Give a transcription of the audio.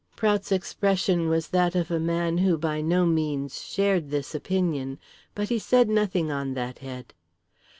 Prout's expression was that of a man who by no means shared this opinion, but he said nothing on that head.